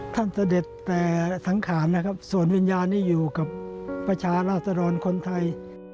เสด็จแต่สังขารนะครับส่วนวิญญาณนี้อยู่กับประชาราชดรคนไทย